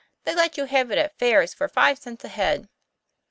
They let you have it at fairs for five cents a head."